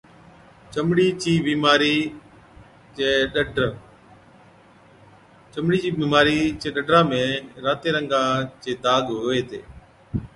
چمڙي چِي بِيمارِي چَي ڏَدر، چمڙي چِي بِيمارِي چي ڏَدرا ۾ راتي رنگا چي داگ هُوَي هِتي